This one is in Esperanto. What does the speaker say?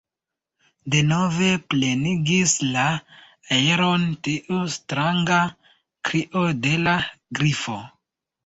Denove plenigis la aeron tiu stranga krio de la Grifo.